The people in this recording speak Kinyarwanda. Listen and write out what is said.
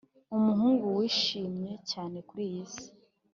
umuhungu wishimye cyane kuriyi si